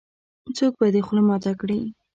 -څوک به دې خوله ماته کړې.